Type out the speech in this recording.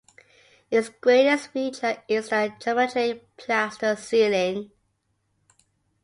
Its greatest feature is the geometric plaster ceiling.